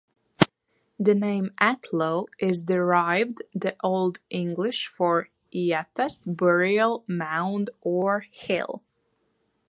The name Atlow is derived the Old English for "Eatta's burial mound or hill".